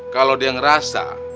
kalo dia ngerasa